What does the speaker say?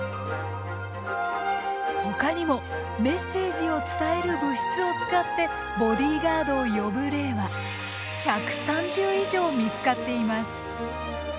ほかにもメッセージを伝える物質を使ってボディガードを呼ぶ例は１３０以上見つかっています。